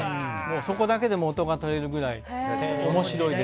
そこだけで元が取れるくらい面白いです。